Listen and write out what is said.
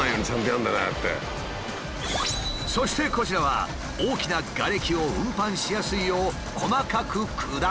そしてこちらは大きなガレキを運搬しやすいよう細かく砕く。